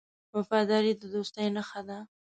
وفاداري د دوستۍ نښه ده.